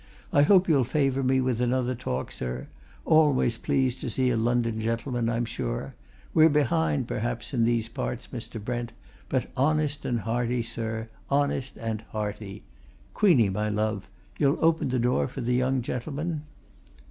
"I hope you'll favour me with another talk, sir always pleased to see a London gentleman, I'm sure we're behind, perhaps, in these parts, Mr. Brent, but honest and hearty, sir, honest and hearty. Queenie, my love, you'll open the door for the young gentleman?"